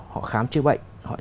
họ khám chữa bệnh